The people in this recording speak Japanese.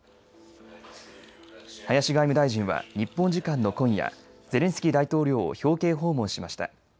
林外務大臣は日本時間の今夜ゼレンスキー大統領を表敬訪問しました。